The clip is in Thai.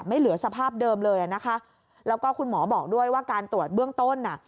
เหลือสภาพเดิมเลยอ่ะนะคะแล้วก็คุณหมอบอกด้วยว่าการตรวจเบื้องต้นอ่ะ